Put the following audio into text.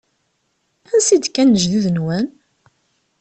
Ansi d-kkan lejdud-nwen?